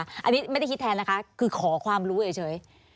อันนี้ไม่ได้คิดแทนนะคะคือขอความรู้เฉย